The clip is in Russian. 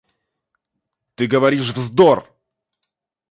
— Ты говоришь вздор.